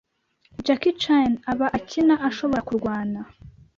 Jackie Chan aba akina ashobora kurwana